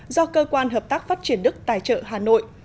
do cơ quan hợp tác phát triển đức tài trợ hà nội